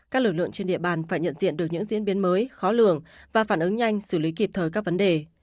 các lực lượng trên địa bàn phải nhận diện được những diễn biến mới khó lường và phản ứng nhanh xử lý kịp thời các vấn đề